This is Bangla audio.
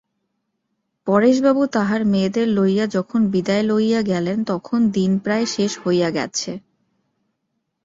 পরেশবাবু তাঁহার মেয়েদের লইয়া যখন বিদায় লইয়া গেলেন তখন দিন প্রায় শেষ হইয়া গেছে।